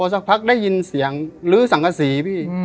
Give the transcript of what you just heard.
พอสักพักได้ยินเสียงรื้อสังศรีพี่อืม